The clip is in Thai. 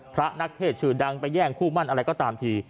พระนักเทศชื่อดังไปแย่งคู่มั่นอะไรก็ตามที